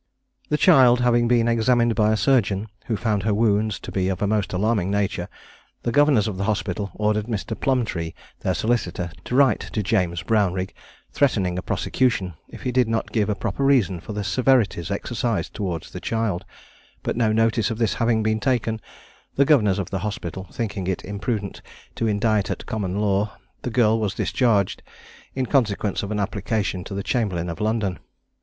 The child having been examined by a surgeon, (who found her wounds to be of a most alarming nature,) the governors of the hospital ordered Mr. Plumbtree, their solicitor, to write to James Brownrigg, threatening a prosecution, if he did not give a proper reason for the severities exercised toward the child; but no notice of this having been taken, the governors of the hospital thinking it imprudent to indict at common law, the girl was discharged, in consequence of an application to the chamberlain of London.